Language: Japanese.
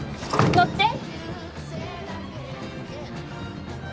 乗って！